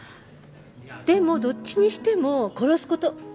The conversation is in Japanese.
でもどっちにしても殺す事。